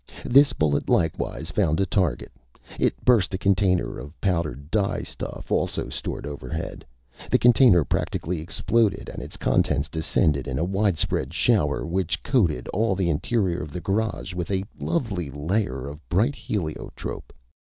This bullet likewise found a target. It burst a container of powdered dye stuff, also stored overhead. The container practically exploded and its contents descended in a widespread shower which coated all the interior of the garage with a lovely layer of bright heliotrope.